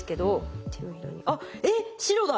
あっえっ白だ。